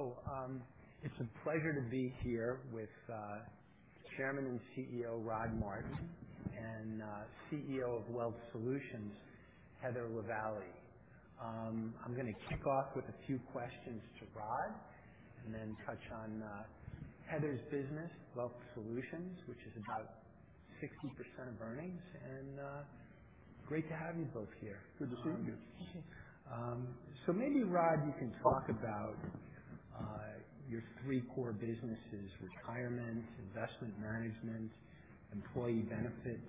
Okay. It's a pleasure to be here with Chairman and CEO, Rod Martin, and CEO of Wealth Solutions, Heather Lavallee. I'm going to kick off with a few questions to Rod and then touch on Heather's business, Wealth Solutions, which is about 60% of earnings. Great to have you both here. Good to see you. Maybe, Rod, you can talk about your three core businesses, retirement, investment management, employee benefits.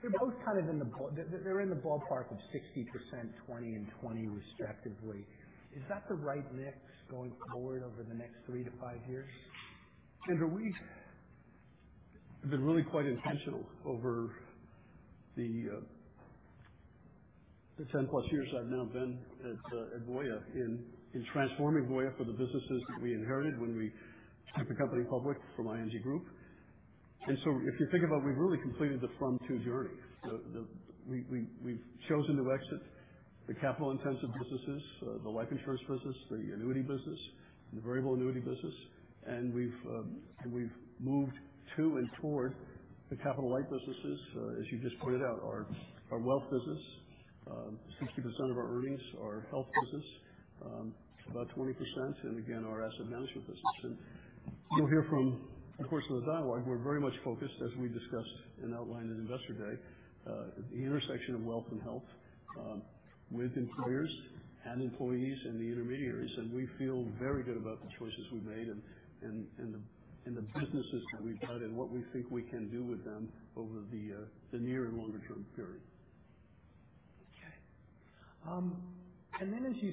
They're in the ballpark of 60%, 20%, and 20%, respectively. Is that the right mix going forward over the next three to five years? Andrew, we have been really quite intentional over the 10 plus years I've now been at Voya in transforming Voya for the businesses that we inherited when we took the company public from ING Group. If you think about it, we've really completed the from-to journey. We've chosen to exit the capital-intensive businesses, the life insurance business, the annuity business, and the variable annuity business. We've moved to and toward the capital light businesses, as you just pointed out, our wealth business, 60% of our earnings, our health business about 20%, and again, our asset management business. You'll hear from, of course, in the dialogue, we're very much focused, as we discussed and outlined at Investor Day, the intersection of wealth and health, with employers and employees and the intermediaries. We feel very good about the choices we've made and the businesses that we've got and what we think we can do with them over the near and longer term period. As you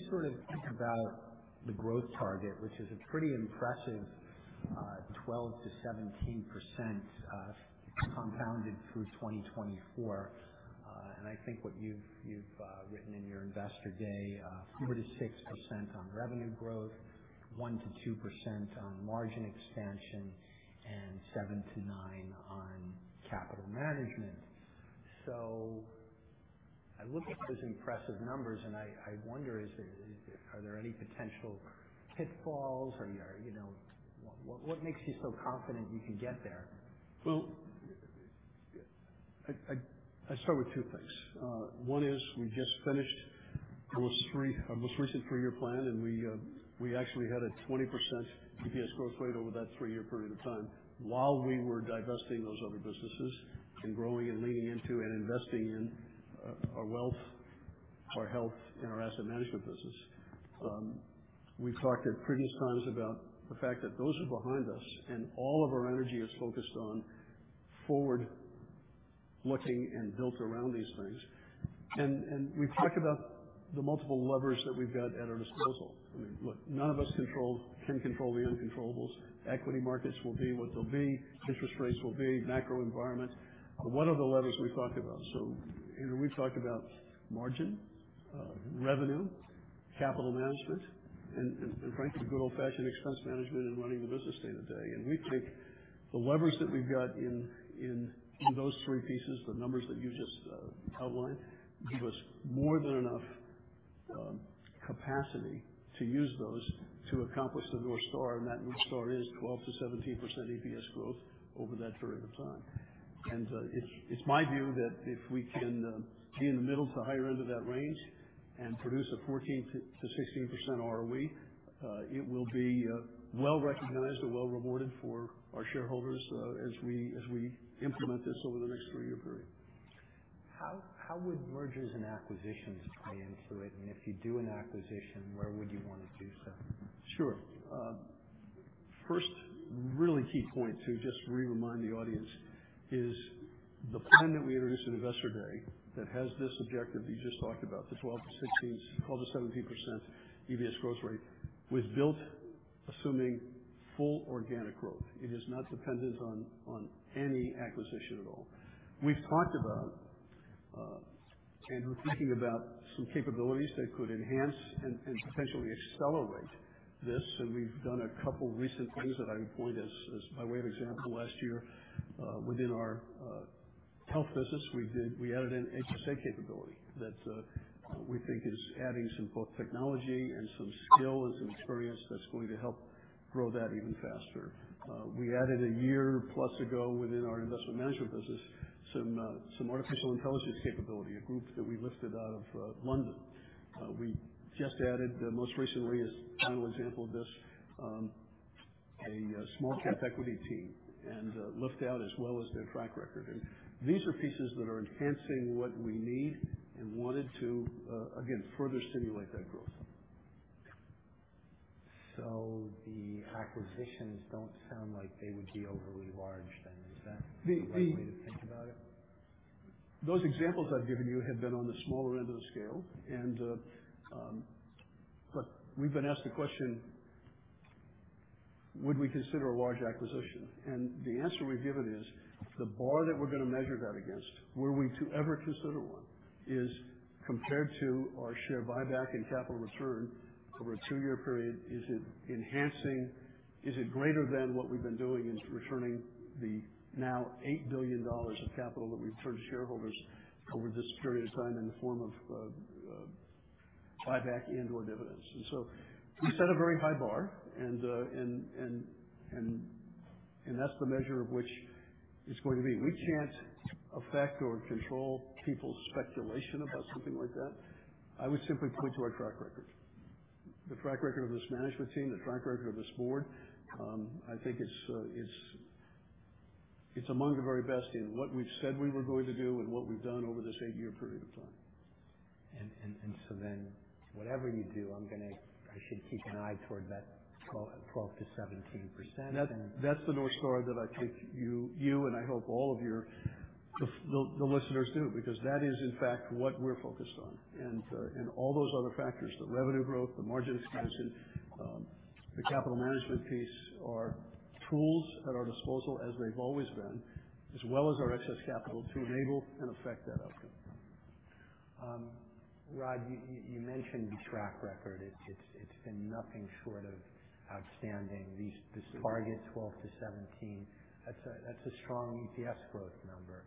think about the growth target, which is a pretty impressive 12%-17% compounded through 2024. I think what you've written in your Investor Day, 4%-6% on revenue growth, 1%-2% on margin expansion, and 7%-9% on capital management. I look at those impressive numbers, and I wonder, are there any potential pitfalls? What makes you so confident you can get there? Well, I'd start with two things. One is we just finished our most recent three-year plan, and we actually had a 20% EPS growth rate over that three-year period of time while we were divesting those other businesses and growing and leaning into and investing in our Wealth, our health, and our asset management business. We've talked at previous times about the fact that those are behind us, and all of our energy is focused on forward-looking and built around these things. We've talked about the multiple levers that we've got at our disposal. I mean, look, none of us can control the uncontrollables. Equity markets will be what they'll be, interest rates will be, macro environment. What are the levers we've talked about? Andrew, we've talked about margin, revenue, capital management, and frankly, good old-fashioned expense management and running the business day-to-day. We think the levers that we've got in those three pieces, the numbers that you just outlined, give us more than enough capacity to use those to accomplish the North Star, and that North Star is 12%-17% EPS growth over that period of time. It's my view that if we can be in the middle to higher end of that range and produce a 14%-16% ROE, it will be well-recognized or well-rewarded for our shareholders as we implement this over the next three-year period. How would mergers and acquisitions play into it? If you do an acquisition, where would you want to do so? Sure. First really key point to just remind the audience is the plan that we introduced at Investor Day that has this objective you just talked about, the 12%-17% EPS growth rate, was built assuming full organic growth. It is not dependent on any acquisition at all. We've talked about and we're thinking about some capabilities that could enhance and potentially accelerate this, and we've done a couple recent things that I point as my way of example. Last year, within our health business, we added an HSA capability that we think is adding some both technology and some skill and some experience that's going to help grow that even faster. We added a year plus ago within our investment management business, some artificial intelligence capability, a group that we lifted out of London. We just added most recently as kind of an example of this, a small cap equity team and lift out as well as their track record. These are pieces that are enhancing what we need and wanted to, again, further stimulate that growth. The acquisitions don't sound like they would be overly large then. Is that the right way to think about it? Those examples I've given you have been on the smaller end of the scale. Look, we've been asked the question, would we consider a large acquisition? The answer we've given is the bar that we're going to measure that against, were we to ever consider one, is compared to our share buyback and capital return over a two-year period, is it greater than what we've been doing in returning the now $8 billion of capital that we've returned to shareholders over this period of time in the form of Buyback and or dividends. We set a very high bar, and that's the measure of which it's going to be. We can't affect or control people's speculation about something like that. I would simply point to our track record, the track record of this management team, the track record of this board. I think it's among the very best in what we've said we were going to do and what we've done over this eight-year period of time. Whatever you do, I should keep an eye toward that 12%-17%. That's the North Star that I think you and I hope all of your the listeners do, because that is, in fact, what we're focused on. All those other factors, the revenue growth, the margin expansion, the capital management piece are tools at our disposal, as they've always been, as well as our excess capital to enable and affect that outcome. Rod, you mentioned the track record. It's been nothing short of outstanding. This target 12%-17%, that's a strong EPS growth number.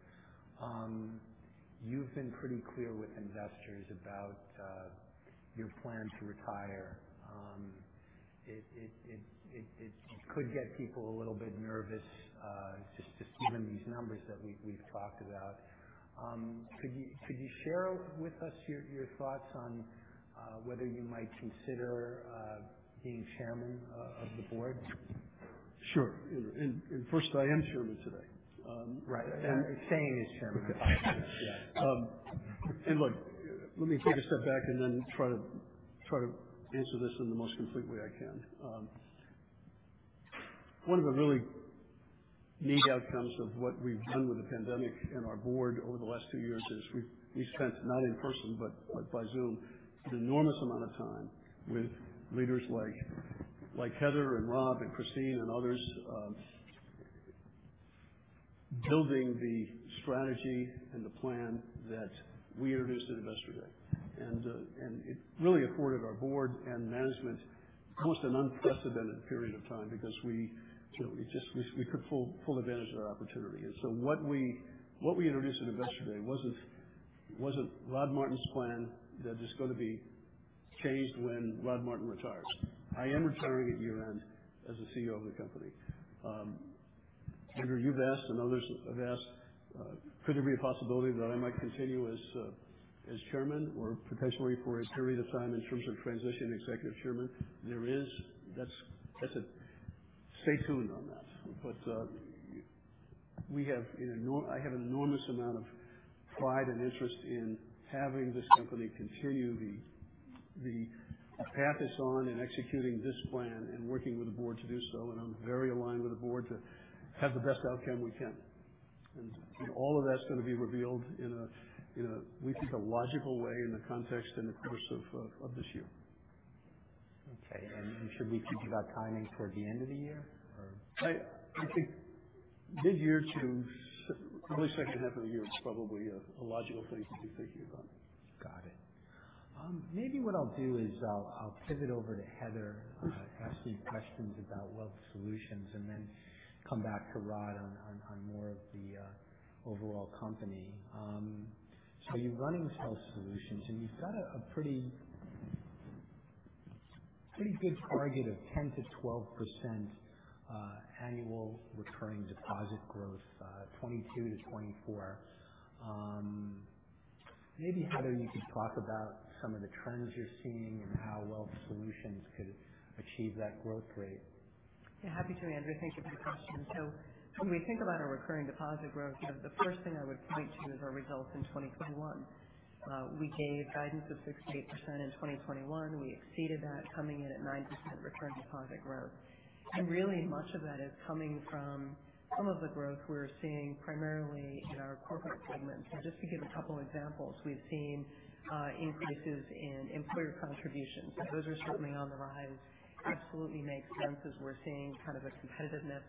You've been pretty clear with investors about your plan to retire. It could get people a little bit nervous just given these numbers that we've talked about. Could you share with us your thoughts on whether you might consider being Chairman of the Board? Sure. First, I am Chairman today. Right. Staying as Chairman. Look, let me take a step back then try to answer this in the most complete way I can. One of the really neat outcomes of what we've done with the pandemic and our board over the last two years is we've spent, not in person, but by Zoom, an enormous amount of time with leaders like Heather and Rob and Christine and others building the strategy and the plan that we introduced at Investor Day. It really afforded our board and management almost an unprecedented period of time because we could fully pull advantage of that opportunity. So what we introduced at Investor Day wasn't Rod Martin's plan that is going to be changed when Rod Martin retires. I am retiring at year-end as the CEO of the company. Andrew, you've asked, and others have asked, could there be a possibility that I might continue as chairman or potentially for a period of time in terms of transition executive chairman? There is. Stay tuned on that. I have an enormous amount of pride and interest in having this company continue the path it's on in executing this plan and working with the board to do so, and I'm very aligned with the board to have the best outcome we can. All of that's going to be revealed in a, we think, a logical way in the context and the course of this year. Okay. Should we be thinking about timing toward the end of the year? I think mid-year to the second half of the year is probably a logical thing to be thinking about. Got it. Maybe what I'll do is I'll pivot over to Heather, ask some questions about Wealth Solutions, and then come back to Rod on more of the overall company. You're running Wealth Solutions, and you've got a pretty good target of 10%-12% annual recurring deposit growth, 2022 to 2024. Maybe, Heather, you could talk about some of the trends you're seeing and how Wealth Solutions could achieve that growth rate. Happy to, Andrew. Thank you for the question. When we think about our recurring deposit growth, the first thing I would point to is our results in 2021. We gave guidance of 6%-8% in 2021. We exceeded that, coming in at 9% recurring deposit growth. Really much of that is coming from some of the growth we're seeing primarily in our corporate segment. Just to give a couple examples, we've seen increases in employer contributions. Those are certainly on the rise. Absolutely makes sense as we're seeing kind of a competitiveness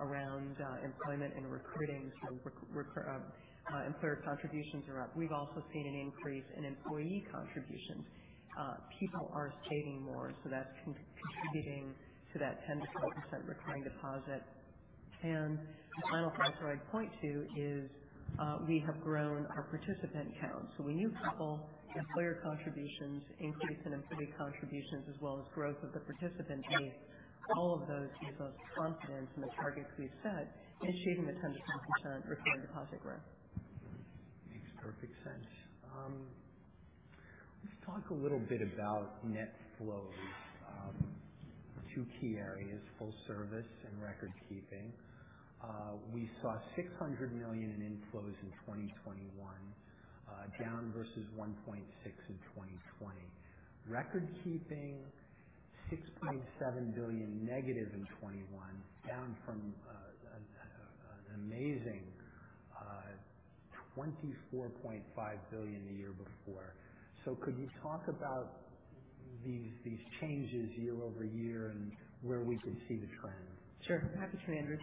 around employment and recruiting. Employer contributions are up. We've also seen an increase in employee contributions. People are saving more, so that's contributing to that 10%-12% recurring deposit. The final factor I'd point to is we have grown our participant count. When you couple employer contributions, increase in employee contributions, as well as growth of the participant base, all of those give us confidence in the targets we've set in achieving the 10%-12% recurring deposit growth. Makes perfect sense. Let's talk a little bit about net flows. Two key areas, full service and record keeping. We saw $600 million in inflows in 2021, down versus $1.6 billion in 2020. Record keeping, $6.7 billion negative in 2021, down from an amazing $24.5 billion the year before. Could you talk about these changes year-over-year and where we could see the trend? Sure. Happy to, Andrew.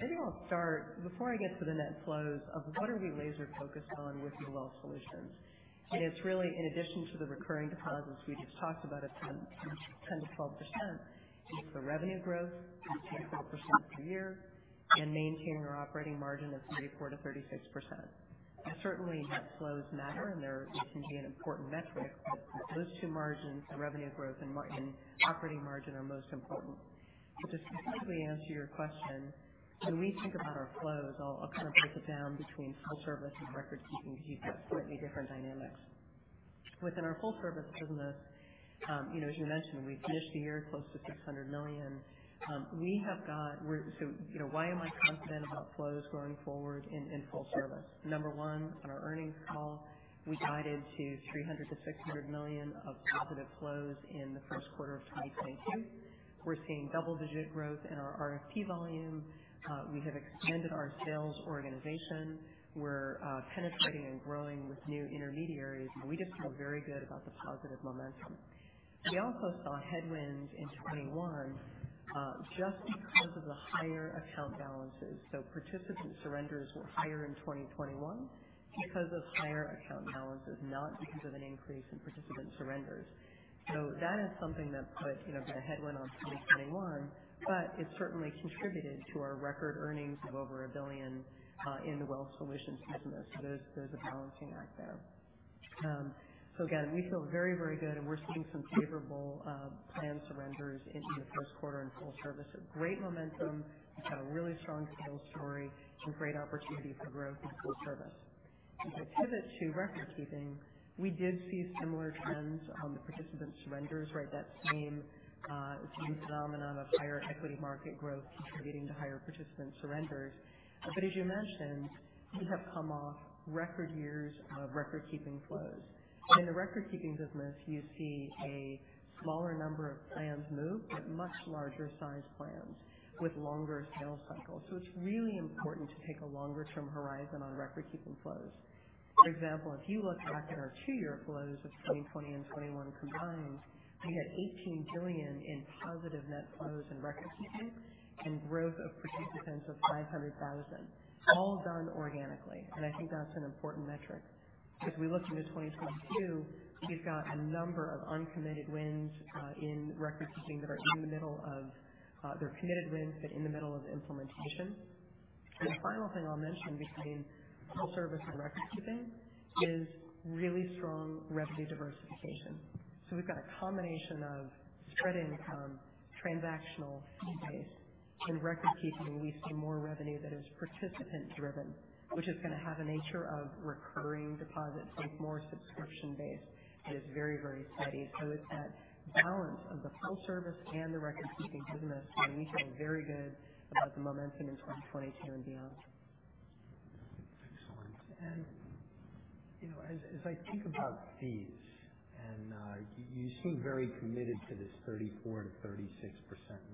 Maybe I'll start before I get to the net flows of what are we laser focused on with Wealth Solutions. It's really in addition to the recurring deposits we just talked about of 10%-12%, it's the revenue growth of 10% per year and maintaining our operating margin of 34%-36%. Certainly, net flows matter and they can be an important metric, but those two margins, the revenue growth and operating margin are most important. To specifically answer your question, when we think about our flows, I'll break it down between full service and record keeping, because you've got slightly different dynamics. Within our full service business, as you mentioned, we finished the year close to $600 million. Why am I confident about flows going forward in full service? Number one, on our earnings call, we guided to $300 million-$600 million of positive flows in the first quarter of 2022. We're seeing double-digit growth in our RFP volume. We have expanded our sales organization. We're penetrating and growing with new intermediaries, and we just feel very good about the positive momentum. We also saw headwinds in 2021, just because of the higher account balances. Participant surrenders were higher in 2021 because of higher account balances, not because of an increase in participant surrenders. That is something that put the headwind on 2021, but it certainly contributed to our record earnings of over $1 billion in the Wealth Solutions business. There's a balancing act there. Again, we feel very, very good, and we're seeing some favorable plan surrenders into the first quarter in full service. Great momentum. We've got a really strong sales story and great opportunity for growth in full service. If we pivot to record keeping, we did see similar trends on the participant surrenders, that same phenomenon of higher equity market growth contributing to higher participant surrenders. As you mentioned, we have come off record years of record keeping flows. In the record keeping business, you see a smaller number of plans move, but much larger size plans with longer sales cycles. It's really important to take a longer-term horizon on record keeping flows. For example, if you look back at our two-year flows of 2020 and 2021 combined, we had $18 billion in positive net flows in record keeping and growth of participants of 500,000, all done organically. I think that's an important metric. If we look into 2022, we've got a number of uncommitted wins in record keeping that are in the middle of implementation. The final thing I'll mention between full service and record keeping is really strong revenue diversification. We've got a combination of spread income, transactional fee base. In record keeping, we see more revenue that is participant driven, which is going to have a nature of recurring deposits, it's more subscription-based and is very steady. It's that balance of the full service and the record keeping business that we feel very good about the momentum in 2022 and beyond. Excellent. As I think about fees, and you seem very committed to this 34%-36%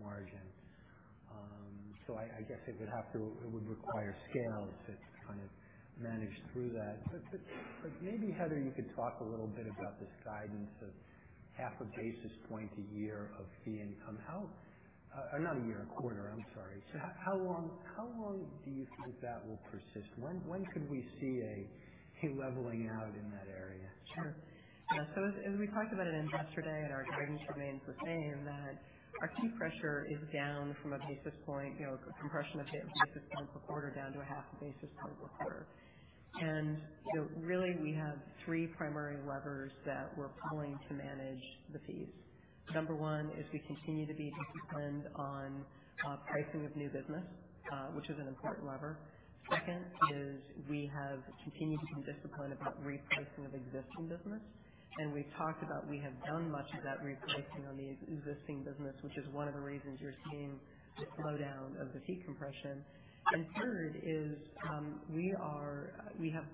margin. I guess it would require scale to manage through that. Maybe, Heather, you could talk a little bit about this guidance of half a basis point a year of fee income. Not a year, a quarter. I'm sorry. How long do you think that will persist? When could we see a leveling out in that area? Sure. Yeah. As we talked about at Investor Day, our guidance remains the same, that our fee pressure is down from a basis point, compression of a basis point per quarter down to a half a basis point per quarter. Really, we have three primary levers that we're pulling to manage the fees. Number one is we continue to be disciplined on pricing of new business, which is an important lever. Second is we have continued to be disciplined about repricing of existing business. We've talked about we have done much of that repricing on the existing business, which is one of the reasons you're seeing the slowdown of the fee compression. Third is we have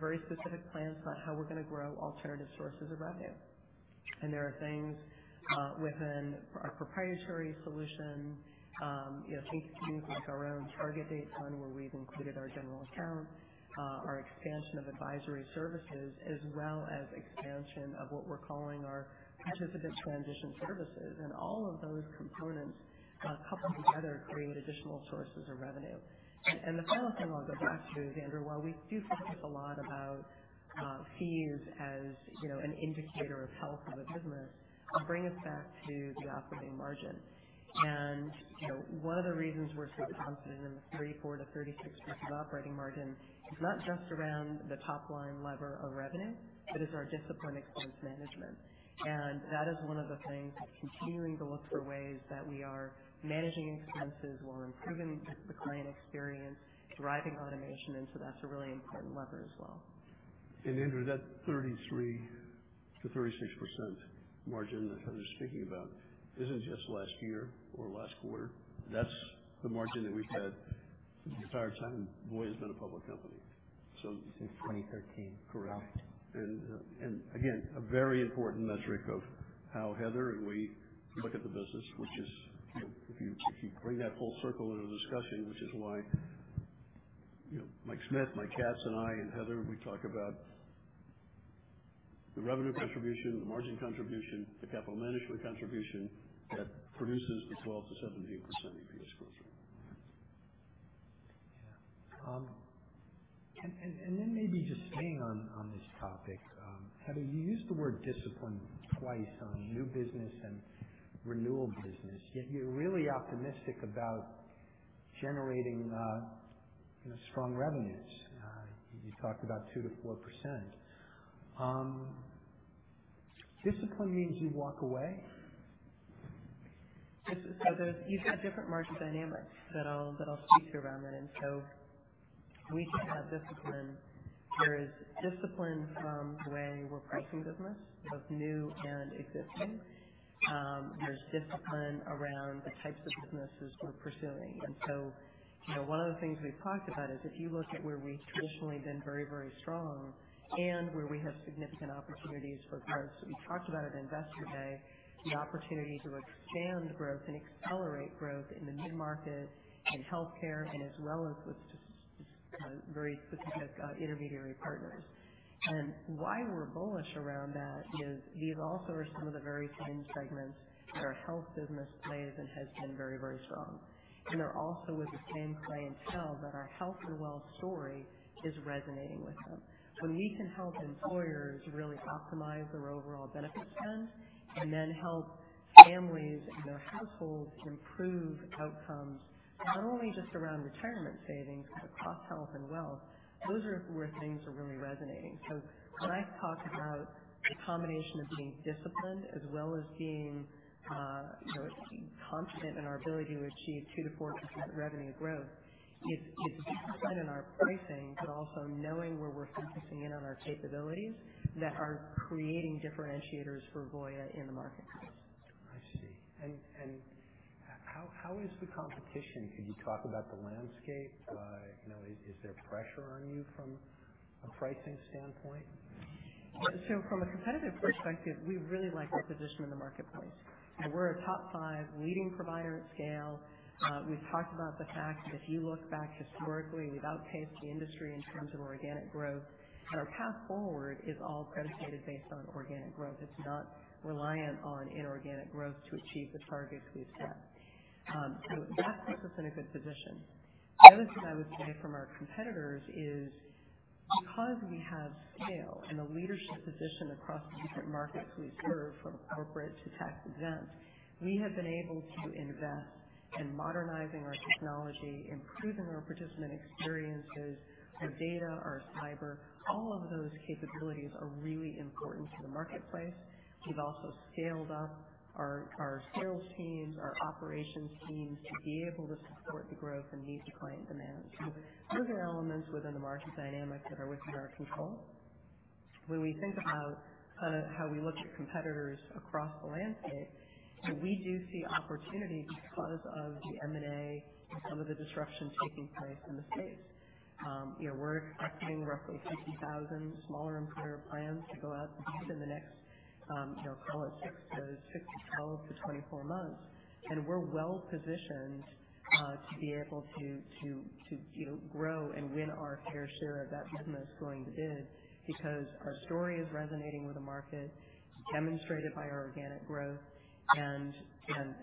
very specific plans about how we're going to grow alternative sources of revenue. There are things within our proprietary solution, fee schemes like our own target date fund where we've included our general account, our expansion of advisory services, as well as expansion of what we're calling our participant transition services. All of those components coupled together create additional sources of revenue. The final thing I'll go back to, Andrew, while we do talk a lot about fees as an indicator of health of a business, I'll bring us back to the operating margin. One of the reasons we're so confident in the 34%-36% operating margin is not just around the top-line lever of revenue, but it's our disciplined expense management. That is one of the things, continuing to look for ways that we are managing expenses while improving the client experience, driving automation, that's a really important lever as well. Andrew, that 34%-36% margin that Heather's speaking about isn't just last year or last quarter. That's the margin that we've had the entire time Voya has been a public company. Since 2013. Correct. Again, a very important metric of how Heather and we look at the business, which is if you bring that full circle in our discussion, which is why Mike Smith, Mike Katz, and I, and Heather, we talk about the revenue contribution, the margin contribution, the capital management contribution that produces the 12%-17% EPS growth rate. Maybe just staying on this topic, Heather, you used the word discipline twice on new business and renewal business, yet you're really optimistic about generating strong revenues. You talked about 2%-4%. Discipline means you walk away? You've got different margin dynamics that I'll speak to around that. So we can have discipline. There is discipline from the way we're pricing business, both new and existing. There's discipline around the types of businesses we're pursuing. So one of the things we've talked about is if you look at where we've traditionally been very strong and where we have significant opportunities for growth. We talked about at Investor Day, the opportunity to expand growth and accelerate growth in the mid-market, in healthcare, as well as with very specific intermediary partners. Why we're bullish around that is these also are some of the very same segments that our health business plays and has been very strong. They're also with the same client set that our health and wealth story is resonating with them. When we can help employers really optimize their overall benefits spend, help families and their households improve outcomes, not only just around retirement savings, but across health and wealth, those are where things are really resonating. When I talk about the combination of being disciplined as well as being confident in our ability to achieve 2%-4% revenue growth, it's discipline in our pricing, but also knowing where we're focusing in on our capabilities that are creating differentiators for Voya in the marketplace. I see. How is the competition? Could you talk about the landscape? Is there pressure on you from a pricing standpoint? From a competitive perspective, we really like our position in the marketplace. We're a top 5 leading provider at scale. We've talked about the fact that if you look back historically, we've outpaced the industry in terms of organic growth. Our path forward is all credit-rated based on organic growth. It's not reliant on inorganic growth to achieve the targets we've set. That puts us in a good position. The other thing I would say from our competitors is because we have scale and a leadership position across the different markets we serve, from corporate to tax-exempt, we have been able to invest in modernizing our technology, improving our participant experiences, our data, our cyber. All of those capabilities are really important to the marketplace. We've also scaled up our sales teams, our operations teams to be able to support the growth and meet the client demand. Those are elements within the market dynamics that are within our control. When we think about how we look at competitors across the landscape, we do see opportunity because of the M&A and some of the disruption taking place in the space. We're expecting roughly 50,000 smaller employer plans to go out to bid in the next, call it, 6 to 12 to 24 months. We're well-positioned to be able to grow and win our fair share of that business going to bid because our story is resonating with the market, demonstrated by our organic growth, and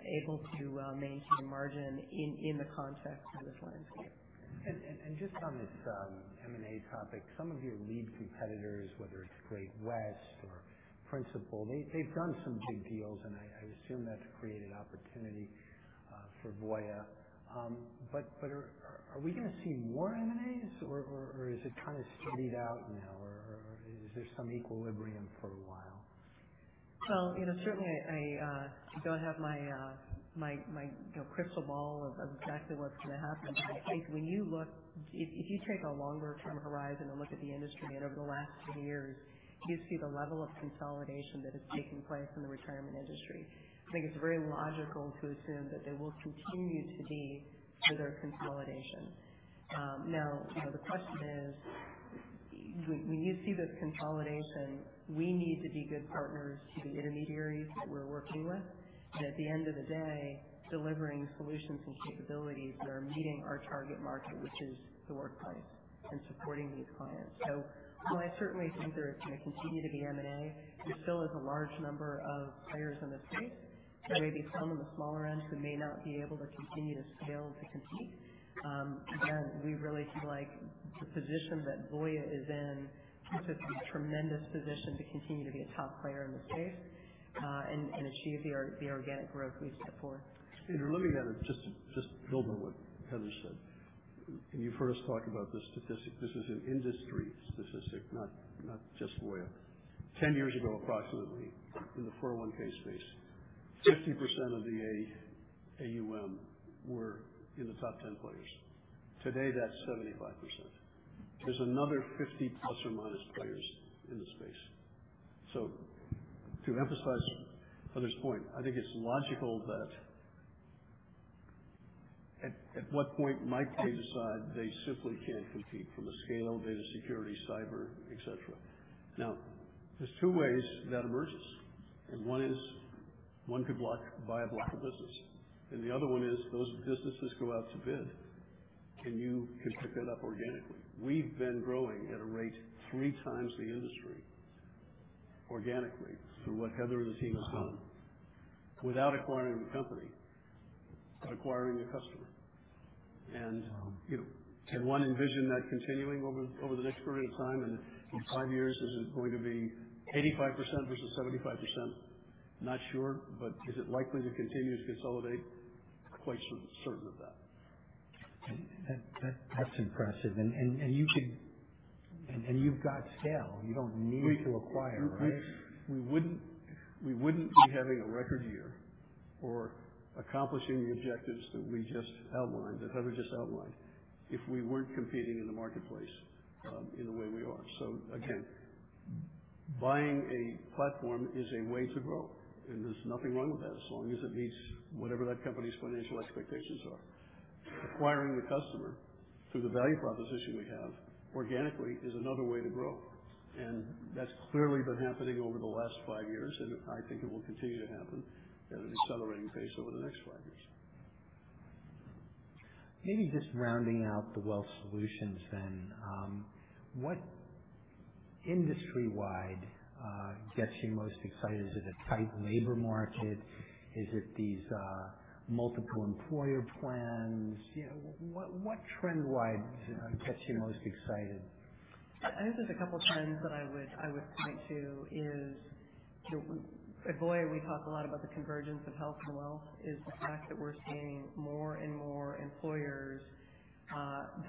able to maintain margin in the context of this landscape. Just on this M&A topic, some of your lead competitors, whether it's Great-West or Principal, they've done some big deals, and I assume that's created opportunity for Voya. Are we going to see more M&As, or is it kind of steadied out now, or is there some equilibrium for a while? Certainly, I don't have my crystal ball of exactly what's going to happen. I think if you take a longer-term horizon and look at the industry over the last few years, you see the level of consolidation that has taken place in the retirement industry. I think it's very logical to assume that there will continue to be further consolidation. The question is, when you see this consolidation, we need to be good partners to the intermediaries that we're working with, and at the end of the day, delivering solutions and capabilities that are meeting our target market, which is the workplace, and supporting these clients. While I certainly think there is going to continue to be M&A, there still is a large number of players in the space. There may be some on the smaller end who may not be able to continue to scale to compete. Again, we really like the position that Voya is in. It's a tremendous position to continue to be a top player in the space and achieve the organic growth we've set forth. Let me just build on what Heather said. When you first talk about the statistic, this is an industry statistic, not just Voya. 10 years ago, approximately, in the 401(k) space, 50% of the AUM were in the top 10 players. Today, that's 75%. There's another 50 plus or minus players in the space. To emphasize Heather's point, I think it's logical that at what point might they decide they simply can't compete from a scale, data security, cyber, et cetera. There's two ways that emerges, and one is one could buy a block of business, and the other one is those businesses go out to bid, and you can pick that up organically. We've been growing at a rate three times the industry organically through what Heather and the team have done without acquiring a company, acquiring a customer. Can one envision that continuing over the next period of time, and in five years, is it going to be 85% versus 75%? Not sure, is it likely to continue to consolidate? Quite certain of that. That's impressive. You've got scale. You don't need to acquire, right? We wouldn't be having a record year or accomplishing the objectives that Heather just outlined, if we weren't competing in the marketplace in the way we are. Again, buying a platform is a way to grow, and there's nothing wrong with that, as long as it meets whatever that company's financial expectations are. Acquiring the customer through the value proposition we have organically is another way to grow. That's clearly been happening over the last five years. I think it will continue to happen at an accelerating pace over the next five years. Maybe just rounding out the Wealth Solutions then. What industry-wide gets you most excited? Is it a tight labor market? Is it these Multiple Employer Plans? What trend-wise gets you most excited? I think there's a couple trends that I would point to is, at Voya, we talk a lot about the convergence of health and wealth, is the fact that we're seeing more and more employers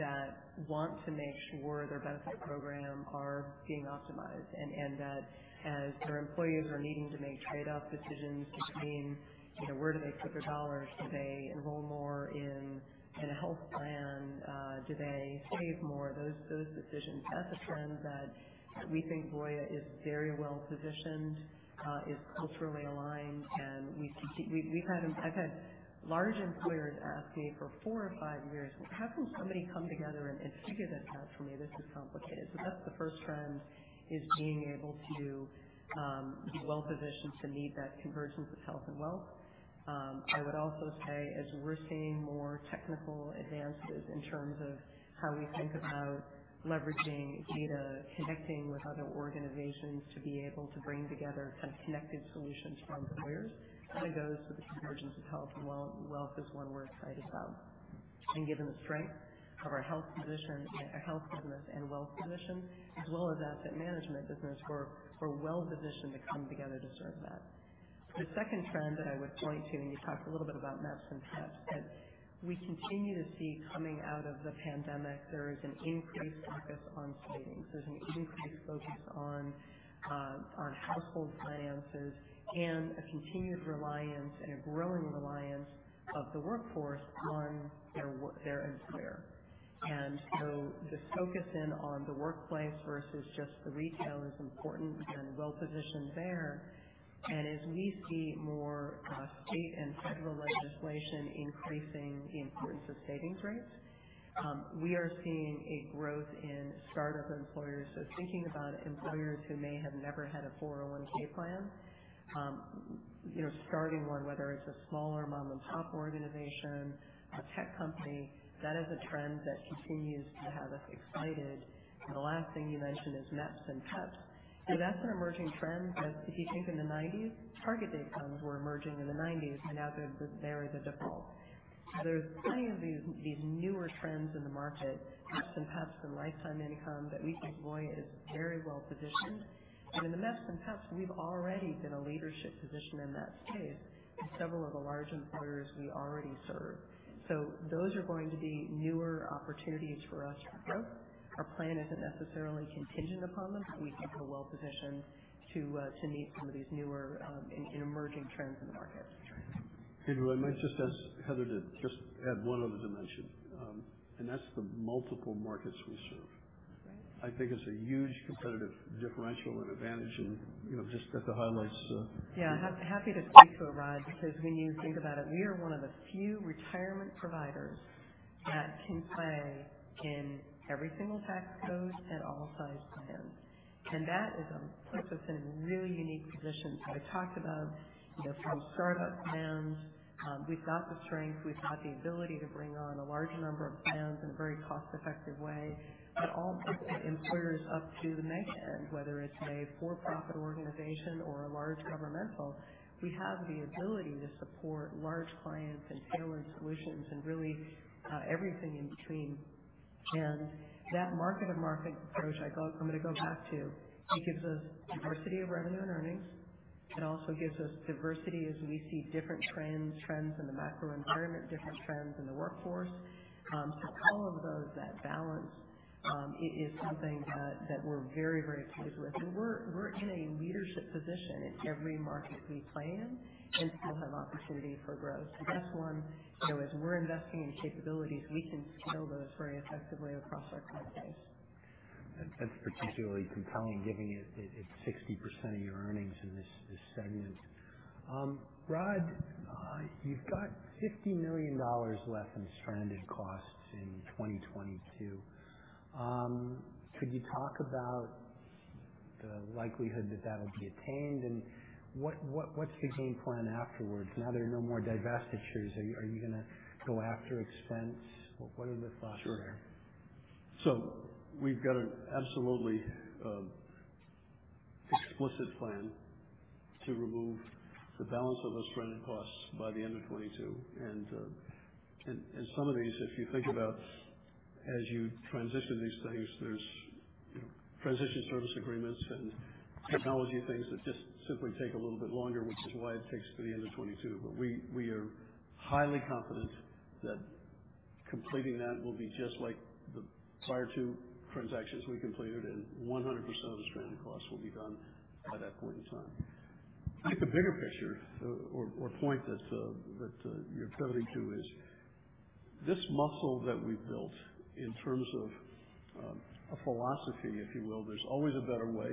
that want to make sure their benefit program are being optimized, and that as their employees are needing to make trade-off decisions between where do they put their dollars, do they enroll more in a health plan? Do they save more? Those decisions. That's a trend that we think Voya is very well-positioned, is culturally aligned. I've had large employers ask me for four or five years, "Well, how can somebody come together and figure this out for me? This is complicated." That's the first trend, is being able to be well-positioned to meet that convergence of health and wealth. I would also say, as we're seeing more technical advances in terms of how we think about leveraging data, connecting with other organizations to be able to bring together kind of connected solutions for employers, that goes to the convergence of health and wealth is one we're excited about. Given the strength of our health business and wealth position, as well as asset management business, we're well-positioned to come together to serve that. The second trend that I would point to, and you talked a little bit about MEPs and PEPs, is we continue to see coming out of the pandemic, there is an increased focus on savings. There's an increased focus on household finances and a continued reliance and a growing reliance of the workforce on their employer. The focus in on the workplace versus just the retail is important and well-positioned there. As we see more state and federal legislation increasing the importance of savings rates, we are seeing a growth in startup employers. Thinking about employers who may have never had a 401 plan, starting one, whether it's a smaller mom-and-pop organization, a tech company, that is a trend that continues to have us excited. The last thing you mentioned is MEPs and PEPs. That's an emerging trend. If you think in the '90s, target date funds were emerging in the '90s, now they're the default. There's plenty of these newer trends in the market, MEPs and PEPs, and lifetime income, that we think Voya is very well-positioned. In the MEPs and PEPs, we've already been a leadership position in that space in several of the large employers we already serve. Those are going to be newer opportunities for us for growth. Our plan isn't necessarily contingent upon them. We think we're well-positioned to meet some of these newer and emerging trends in the market. Heather, I might just, as Heather did, just add one other dimension, and that's the multiple markets we serve. That's right. I think it's a huge competitive differential and advantage and just hit the highlights. Yeah. Happy to speak to it, Rod, because when you think about it, we are one of the few retirement providers that can play in every single tax code and all size plans. That puts us in a really unique position to talk about from startup plans, we've got the strength, we've got the ability to bring on a large number of plans in a very cost-effective way. Also for employers up to the mega end, whether it's a for-profit organization or a large governmental, we have the ability to support large clients and tailored solutions and really everything in between. That market-to-market approach I'm going to go back to. It gives us diversity of revenue and earnings. It also gives us diversity as we see different trends in the macro environment, different trends in the workforce. All of those, that balance, is something that we're very, very pleased with. We're in a leadership position in every market we play in and still have opportunity for growth. That's one, as we're investing in capabilities, we can scale those very effectively across our complex. That's particularly compelling given it's 60% of your earnings in this segment. Rod, you've got $50 million left in stranded costs in 2022. Could you talk about the likelihood that that'll be attained and what's the game plan afterwards now there are no more divestitures? Are you going to go after expense? What are the thoughts there? Sure. We've got an absolutely explicit plan to remove the balance of those stranded costs by the end of 2022. Some of these, as you transition these things, there's transition service agreements and technology things that just simply take a little bit longer, which is why it takes to the end of 2022. We are highly confident that completing that will be just like the prior two transactions we completed, and 100% of the stranded costs will be gone by that point in time. I think the bigger picture or point that you're pivoting to is this muscle that we've built in terms of a philosophy, if you will. There's always a better way,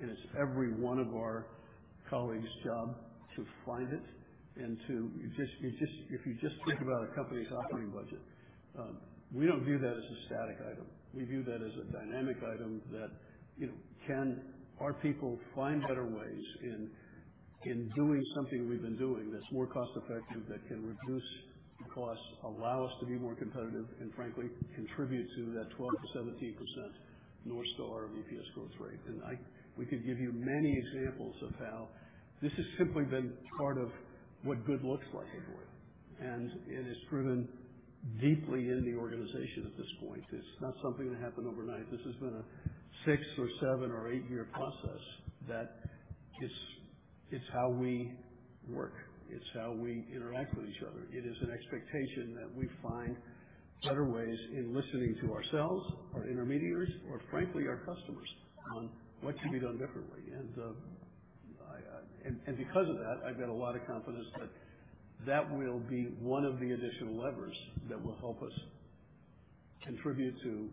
and it's every one of our colleagues' job to find it. If you just think about a company's operating budget, we don't view that as a static item. We view that as a dynamic item that can our people find better ways in doing something we've been doing that's more cost-effective, that can reduce costs, allow us to be more competitive, and frankly, contribute to that 12%-17% North Star EPS growth rate. We could give you many examples of how this has simply been part of what good looks like at Voya, and it is driven deeply in the organization at this point. It's not something that happened overnight. This has been a six or seven or eight-year process that is how we work. It's how we interact with each other. It is an expectation that we find better ways in listening to ourselves, our intermediaries, or frankly, our customers on what can be done differently. Because of that, I've got a lot of confidence that that will be one of the additional levers that will help us contribute to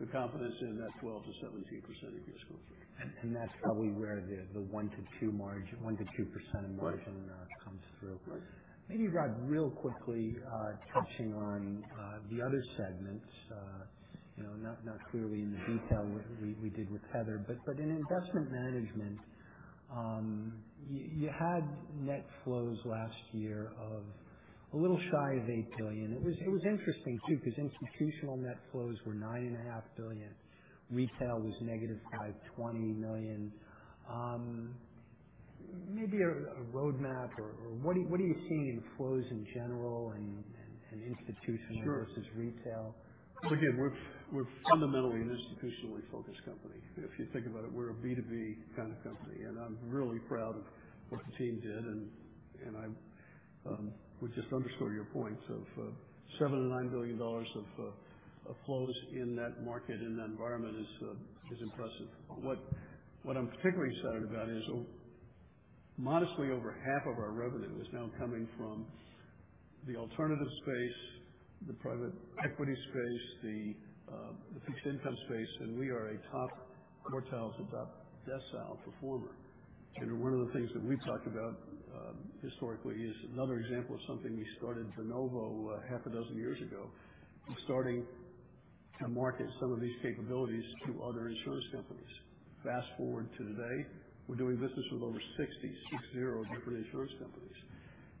the confidence in that 12%-17% EPS growth rate. That's probably where the 1%-2% margin- Right comes through. Right. Maybe, Rod, real quickly touching on the other segments. Not clearly in the detail we did with Heather, but in investment management, you had net flows last year of a little shy of $8 billion. It was interesting, too, because institutional net flows were $9.5 billion. Retail was negative $520 million. Maybe a roadmap or what are you seeing in flows in general and institutional- Sure versus retail? We're fundamentally an institutionally focused company. If you think about it, we're a B2B kind of company, and I'm really proud of what the team did. Which just underscored your points of $7 billion and $9 billion of flows in that market, in that environment is impressive. What I'm particularly excited about is modestly over half of our revenue is now coming from the alternative space, the private equity space, the fixed income space, and we are a top quintile to top decile performer. One of the things that we've talked about historically is another example of something we started de novo half a dozen years ago in starting to market some of these capabilities to other insurance companies. Fast-forward to today, we're doing business with over 60, six-zero, different insurance companies.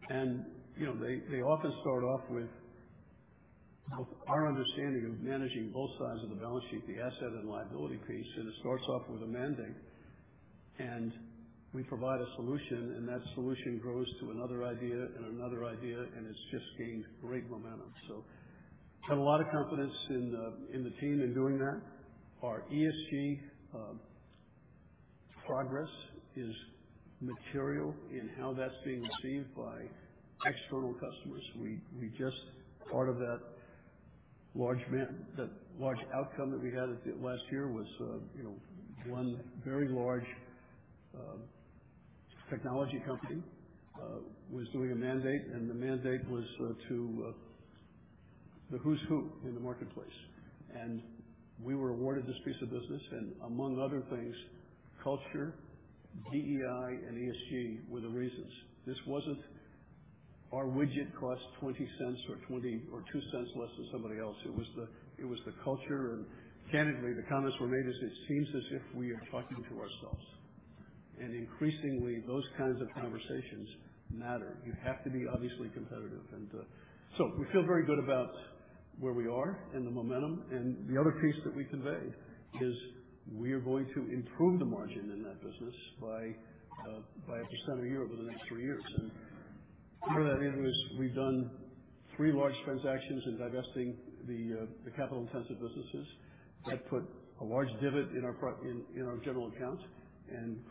They often start off with both our understanding of managing both sides of the balance sheet, the asset and liability piece, and it starts off with a mandate, and we provide a solution, and that solution grows to another idea and another idea, and it's just gained great momentum. I have a lot of confidence in the team in doing that. Our ESG progress is material in how that's being received by external customers. Part of that large outcome that we had last year was one very large technology company was doing a mandate, and the mandate was the who's who in the marketplace. We were awarded this piece of business, and among other things, culture, DEI, and ESG were the reasons. This wasn't our widget costs $0.20 or $0.02 less than somebody else. It was the culture. Candidly, the comments were made is it seems as if we are talking to ourselves. Increasingly, those kinds of conversations matter. You have to be obviously competitive. We feel very good about where we are and the momentum. The other piece that we conveyed is we are going to improve the margin in that business by 1% a year over the next three years. Part of that is we've done three large transactions in divesting the capital-intensive businesses. That put a large divot in our general accounts.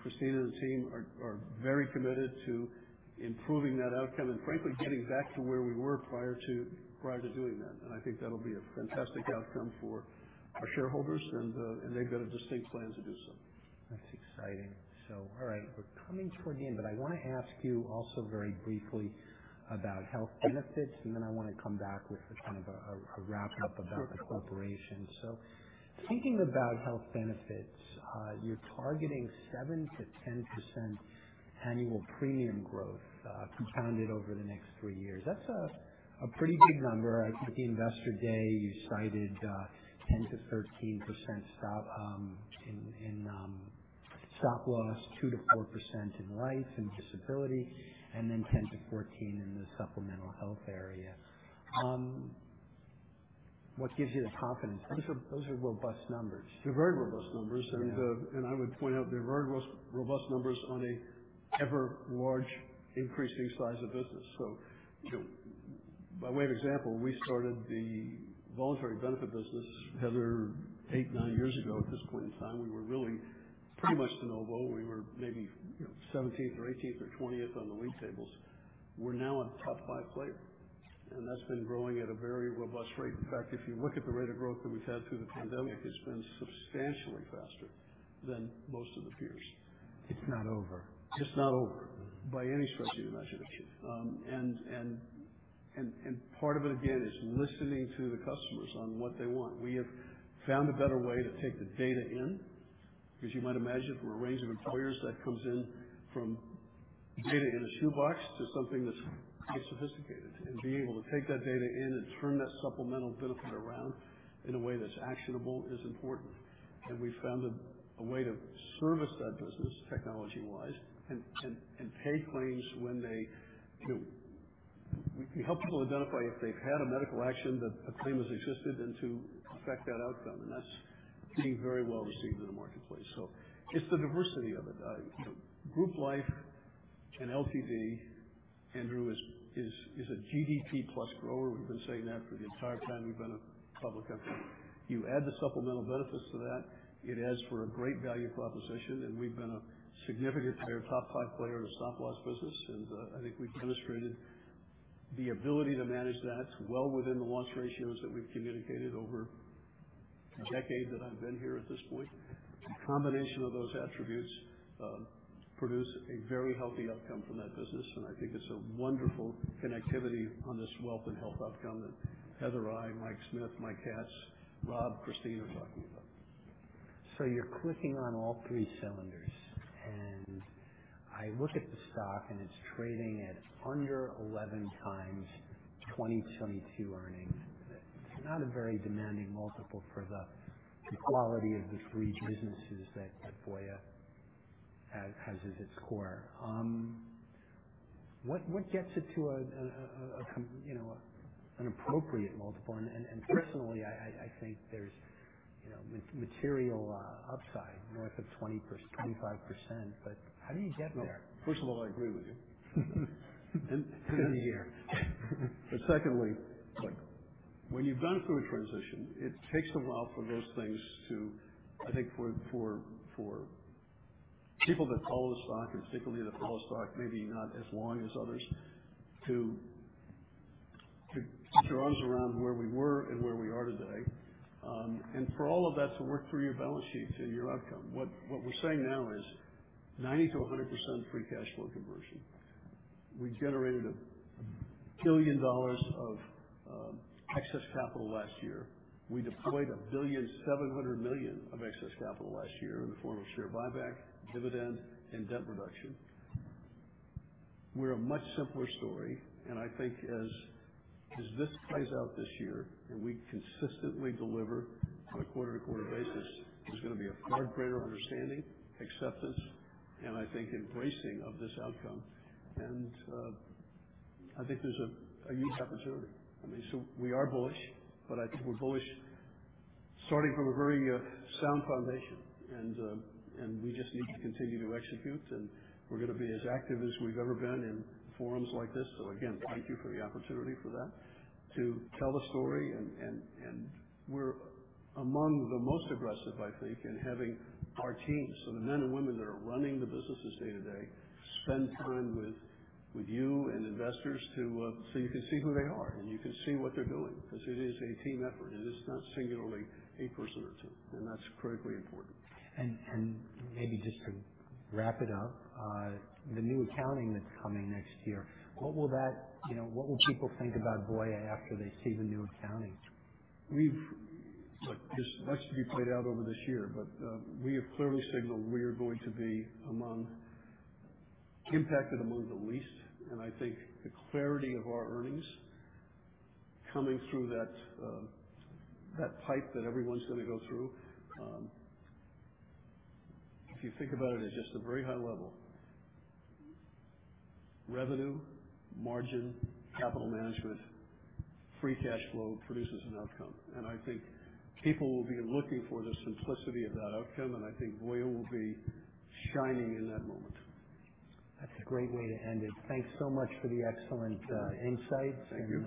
Christine and the team are very committed to improving that outcome and frankly, getting back to where we were prior to doing that. I think that'll be a fantastic outcome for our shareholders, and they've got a distinct plan to do so. That's exciting. All right. We're coming toward the end, but I want to ask you also very briefly about health benefits, and then I want to come back with a wrap-up about the corporation. Speaking about health benefits, you're targeting 7%-10% annual premium growth compounded over the next three years. That's a pretty big number. I think at the Investor Day, you cited 10%-13% in stop-loss, 2%-4% in life and disability, and then 10%-14% in the supplemental health area. What gives you the confidence? Those are robust numbers. They're very robust numbers. Yeah. I would point out they're very robust numbers on an ever large increasing size of business. By way of example, we started the voluntary benefit business, Heather, eight, nine years ago. At this point in time, we were really pretty much de novo. We were maybe 17th or 18th or 20th on the league tables. We're now a top five player, and that's been growing at a very robust rate. In fact, if you look at the rate of growth that we've had through the pandemic, it's been substantially faster than most of the peers. It's not over. It's not over by any stretch of the imagination. Part of it, again, is listening to the customers on what they want. We have found a better way to take the data in. As you might imagine, from a range of employers, that comes in from data in a shoebox to something that's quite sophisticated. Being able to take that data in and turn that supplemental benefit around in a way that's actionable is important. We found a way to service that business technology-wise and pay claims. We help people identify if they've had a medical action, that a claim has existed, and to affect that outcome, and that's being very well received in the marketplace. It's the diversity of it. Group life and LTD, Andrew, is a GDP plus grower. We've been saying that for the entire time we've been a public company. You add the supplemental benefits to that, it adds for a great value proposition. We've been a significant player, top five player in the stop-loss business. I think we've demonstrated the ability to manage that well within the loss ratios that we've communicated over the decade that I've been here at this point. The combination of those attributes produce a very healthy outcome from that business. I think it's a wonderful connectivity on this wealth and health outcome that Heather, I, Mike Smith, Mike Katz, Rob, Christine are talking about. You're clicking on all three cylinders. I look at the stock, it's trading at under 11x 2022 earnings. It's not a very demanding multiple for the quality of the three businesses that Voya has as its core. What gets it to an appropriate multiple? Personally, I think there's material upside north of 25%. How do you get there? First of all, I agree with you. Good to hear. Secondly, look, when you've gone through a transition, it takes a while for those things to, I think, for people that follow the stock, and particularly that follow the stock maybe not as long as others, to get their arms around where we were and where we are today. For all of that to work through your balance sheets and your outcome. What we're saying now is 90%-100% free cash flow conversion. We generated $1 billion of excess capital last year. We deployed $1,700,000,000 of excess capital last year in the form of share buyback, dividend, and debt reduction. We're a much simpler story, and I think as this plays out this year, and we consistently deliver on a quarter-to-quarter basis, there's going to be a far greater understanding, acceptance, and I think embracing of this outcome. I think there's a huge opportunity. I mean, we are bullish, but I think we're bullish starting from a very sound foundation. We just need to continue to execute. We're going to be as active as we've ever been in forums like this. Again, thank you for the opportunity for that to tell the story. We're among the most aggressive, I think, in having our teams. The men and women that are running the businesses day-to-day spend time with you and investors so you can see who they are and you can see what they're doing because it is a team effort, and it's not singularly a person or two, and that's critically important. Maybe just to wrap it up, the new accounting that's coming next year, what will people think about Voya after they see the new accounting? Look, there's much to be played out over this year, but we have clearly signaled we are going to be impacted among the least, and I think the clarity of our earnings coming through that pipe that everyone's going to go through. If you think about it at just a very high level, revenue, margin, capital management, free cash flow produces an outcome. I think people will be looking for the simplicity of that outcome. I think Voya will be shining in that moment. That's a great way to end it. Thanks so much for the excellent insights. Thank you.